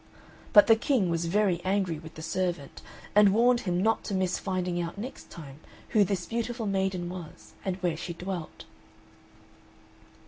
But the King was very angry with the servant, and warned him not to miss finding out next time who this beautiful maiden was, and where she dwelt.